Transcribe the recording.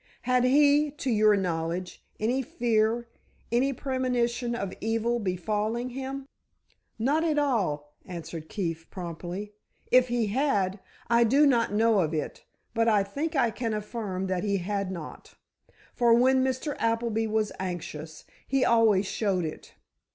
Had he, to your knowledge, any fear, any premonition of evil befalling him?" "Not at all," answered Keefe, promptly. "If he had, I do not know of it, but I think I can affirm that he had not. For, when Mr. Appleby was anxious, he always showed it.